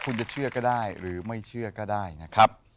คุณจะเชื่อก็ได้หรือไม่เชื่อก็ได้นะครับ